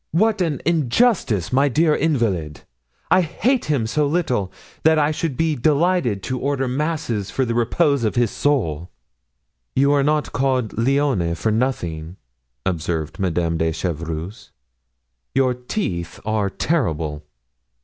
"What an injustice, my dear invalid! I hate him so little that I should be delighted to order masses for the repose of his soul." "You are not called 'Lionne' for nothing," observed Madame de Chevreuse, "your teeth are terrible."